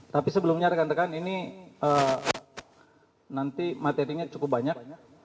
tapi sebelumnya rekan rekan ini nanti materinya cukup banyak